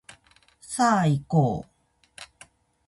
さあいこう